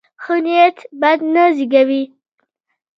ښه نیت بد نه زېږوي.